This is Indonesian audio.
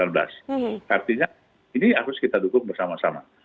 artinya ini harus kita dukung bersama sama